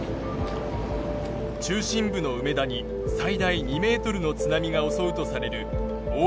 中心部の梅田に最大２ｍの津波が襲うとされる大阪市。